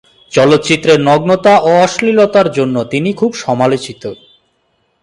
চলচ্চিত্রে নগ্নতা ও অশ্লীলতার জন্য তিনি খুব সমালোচিত।